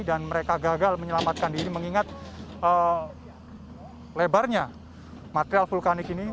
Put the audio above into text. dan mereka gagal menyelamatkan diri mengingat lebarnya material vulkanik ini